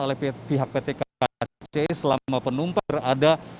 oleh pihak pt kci selama penumpang berada